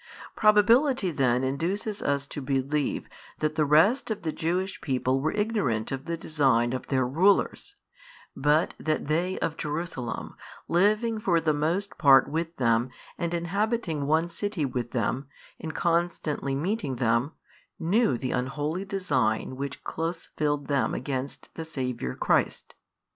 Probability then induces us to believe that the rest of the Jewish people were ignorant of the design of their rulers, but that they of Jerusalem living for the most part with them and inhabiting one city with them, and constantly meeting them, knew the unholy design which close filled them against the Saviour Christ.